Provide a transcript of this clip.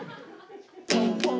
ポンポン。